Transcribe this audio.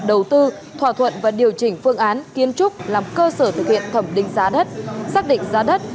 đầu tư thỏa thuận và điều chỉnh phương án kiến trúc làm cơ sở thực hiện thẩm định giá đất xác định giá đất